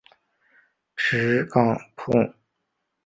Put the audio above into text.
吃碰杠后不能没有牌。